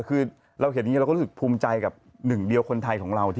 แต่คือเราเห็นนี้เราก็รู้สึกภูมิใจกับ๑คนไทยของเรา